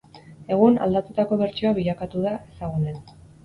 Egun, aldatutako bertsioa bilakatu da ezagunen.